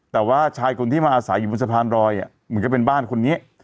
แต่ว่าชายคนที่มาอาศัยอยู่บนสะพานรอยเหมือนกับเป็นบ้านคนนี้